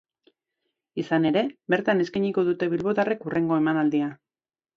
Izan ere, bertan eskainiko dute bilbotarrek hurrengo emanaldia.